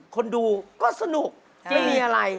คนดูก็สนุกไม่มีอะไร